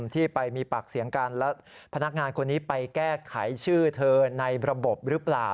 ที่ไปมีปากเสียงกันแล้วพนักงานคนนี้ไปแก้ไขชื่อเธอในระบบหรือเปล่า